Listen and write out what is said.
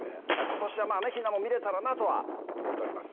今年はまぁヒナも見れたらなとは思っております。